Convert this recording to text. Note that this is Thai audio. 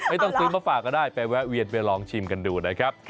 ไม่ต้องซื้อมาฝากก็ได้ไปแวะเวียนไปลองชิมกันดูนะครับ